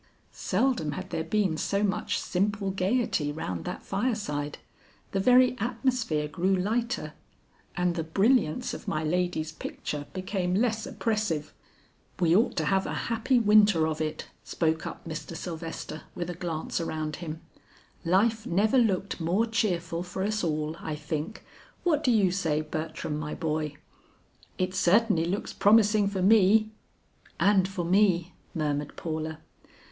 Seldom had there been so much simple gaiety round that fireside; the very atmosphere grew lighter, and the brilliance of my lady's picture became less oppressive. "We ought to have a happy winter of it," spoke up Mr. Sylvester with a glance around him. "Life never looked more cheerful for us all, I think; what do you say, Bertram my boy." "It certainly looks promising for me." "And for me," murmured Paula.